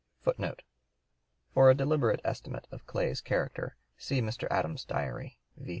[Footnote 4: For a deliberate estimate of Clay's character see Mr. Adams's Diary, v.